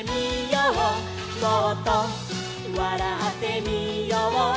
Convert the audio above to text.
「もっとわらってみよう」